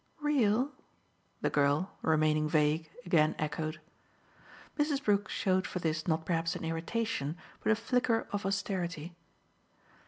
"Real?" the girl, remaining vague, again echoed. Mrs. Brook showed for this not perhaps an irritation, but a flicker of austerity.